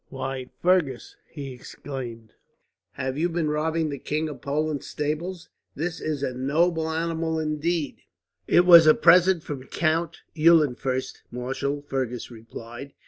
"Why, Fergus," he exclaimed, "have you been robbing the King of Poland's stables? That is a noble animal, indeed." "It was a present from Count Eulenfurst, marshal," Fergus replied.